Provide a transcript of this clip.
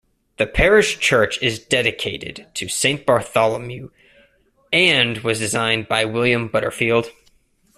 The parish church is dedicated to Saint Bartholomew and was designed by William Butterfield.